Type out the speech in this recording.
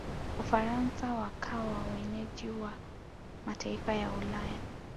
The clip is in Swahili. ufaransa wakawa wenyeji wa mataifa ya ulaya